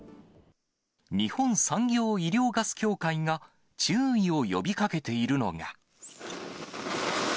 日本産業・医療ガス協会が注意を呼びかけているのが。